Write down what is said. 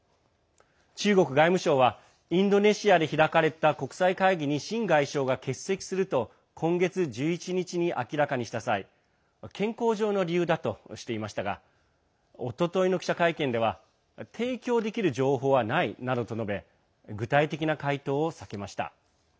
中国外務省はインドネシアで開かれた国際会議に秦外相が欠席すると今月１１日に明らかにした際健康上の理由だとしていましたがおとといの記者会見では提供できる情報はないなどと述べ具体的な回答を避けました。